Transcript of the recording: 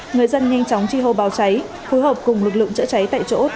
người dân nhanh chóng chi hô báo cháy phối hợp cùng lực lượng chữa cháy tại chỗ